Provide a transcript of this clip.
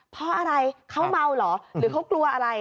เพราะอะไรเขาเมาเหรอหรือเขากลัวอะไร